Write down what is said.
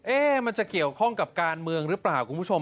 มันจะเกี่ยวข้องกับการเมืองหรือเปล่าคุณผู้ชม